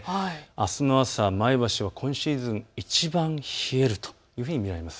あすの朝、前橋は今シーズン、いちばん冷えるというふうに見られます。